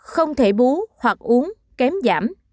chín không thể bú hoặc uống kém giảm